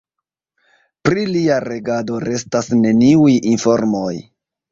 Pri lia regado restas neniuj informoj.